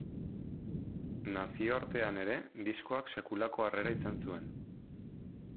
Nazioartean ere, diskoak sekulako harrera izan zuen.